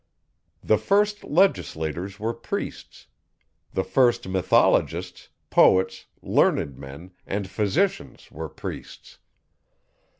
The first legislators were priests; the first mythologists, poets, learned men, and physicians were priests.